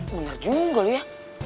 bener juga lo ya